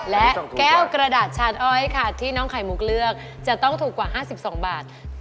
และแก้วกระดาษชานอ้อยค่ะที่น้องไข่มุกเลือกจะต้องถูกกว่า๕๒บาท